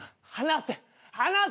離せ！